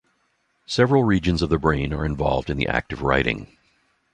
Several regions of the brain are involved in the act of writing.